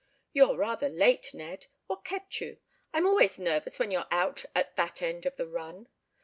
"You're rather late, Ned! What kept you? I'm always nervous when you're out at that end of the run!"